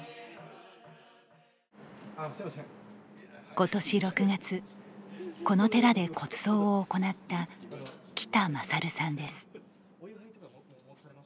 ことし６月この寺で骨葬を行った喜多勝さんです。